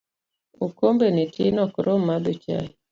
Okombe ni tin ok rom madho chai